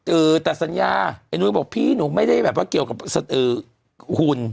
เออแต่สัญญาไอ้นุ้ยบอกพี่หนูไม่ได้แบบว่าเกี่ยวกับหุ่น